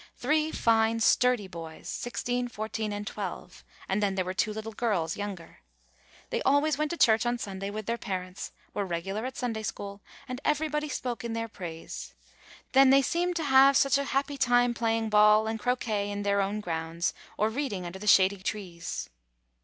Three fine, sturdy boys — sixteen, fourteen, and twelve; and then there were two little girls, younger. They always went to church on Sunday with their parents, were regular at Sunday school, and everybody spoke in their [ 102 ] GONE ASTRAY praise. Then they seemed to have such a happy time playing ball and croquet in their own grounds, or reading under the shady trees.